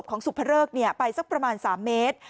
พบศพของสุภเริกไปสักประมาณ๓เมตร